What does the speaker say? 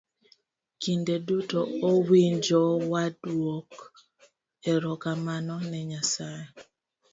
Kinde duto owinjo waduok erokamano ne nyasaye.